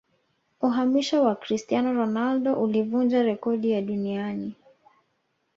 uhamisho wa cristiano ronaldo ulivunja rekodi ya duniani